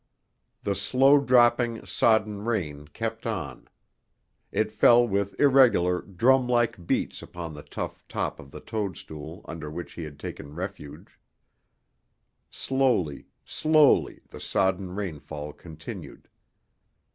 The slow dropping, sodden rain kept on. It fell with irregular, drumlike beats upon the tough top of the toadstool under which he had taken refuge. Slowly, slowly, the sodden rainfall continued.